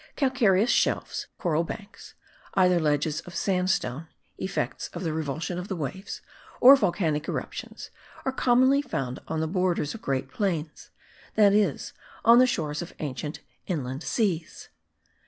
Calcareous shelves (coral banks), either ledges of sandstone (effects of the revulsion of the waves) or volcanic eruptions, are commonly found on the borders of great plains, that is, on the shores of ancient inland seas.